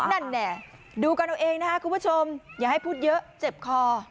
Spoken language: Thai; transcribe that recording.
นั่นแน่ดูกันเอาเองนะครับคุณผู้ชมอย่าให้พูดเยอะเจ็บคอ